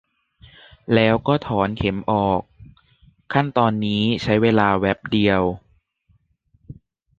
แล้วก็ถอนเข็มออก ขั้นตอนนี้ใช้เวลาแวบเดียว